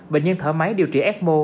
bệnh nhân thở máy điều trị ecmo